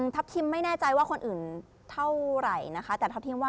ทัพทิมไม่แน่ใจว่าคนอื่นเท่าไหร่นะคะ